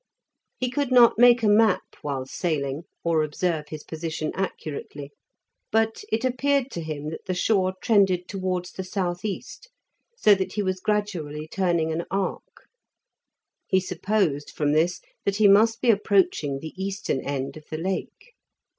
He could not make a map while sailing, or observe his position accurately, but it appeared to him that the shore trended towards the south east, so that he was gradually turning an arc. He supposed from this that he must be approaching the eastern end of the Lake.